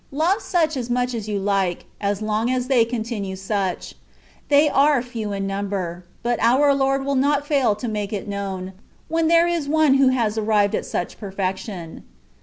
Love such as much as you like, as long as they continue such. They are few in number, but our Lord will not fail to make it known, when there is one who has arrived at such perfection.